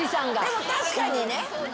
でも確かにね。